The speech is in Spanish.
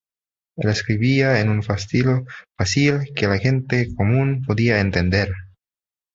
Él escribía en un estilo fácil que la gente común podía entender.